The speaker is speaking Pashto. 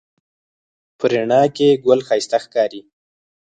په رڼا کې ګل ښایسته ښکاري